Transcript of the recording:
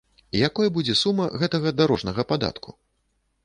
Якой будзе сума гэтага дарожнага падатку?